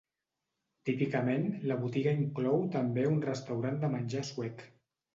Típicament, la botiga inclou també un restaurant de menjar suec.